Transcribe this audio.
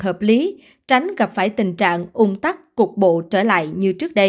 hợp lý tránh gặp phải tình trạng ung tắc cục bộ trở lại như trước đây